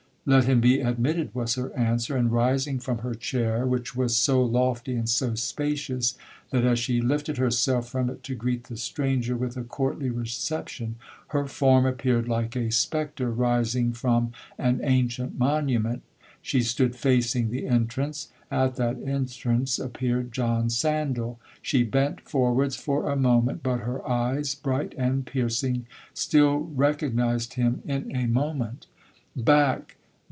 'Let him be admitted,' was her answer, and rising from her chair, which was so lofty and so spacious, that as she lifted herself from it to greet the stranger with a courtly reception, her form appeared like a spectre rising from an ancient monument,—she stood facing the entrance—at that entrance appeared John Sandal. She bent forwards for a moment, but her eyes, bright and piercing, still recognized him in a moment. 'Back!